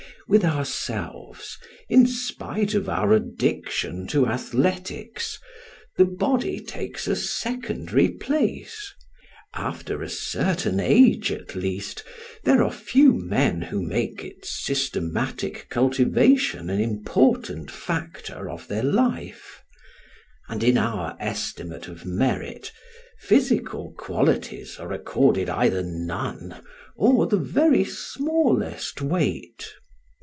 With ourselves, in spite of our addiction to athletics, the body takes a secondary place; after a certain age, at least, there are few men who make its systematic cultivation an important factor of their life; and in our estimate of merit physical qualities are accorded either none or the very smallest weight.